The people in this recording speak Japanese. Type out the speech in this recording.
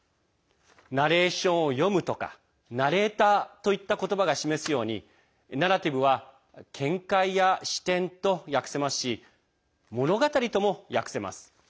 ナレーションを読むとかナレーターといった言葉が示すようにナラティブは見解や視点と訳せますし物語とも訳せます。